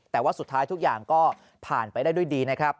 แต่ว่าสุดท้ายทุกอย่างก็ผ่านไปได้ด้วยดีนะครับ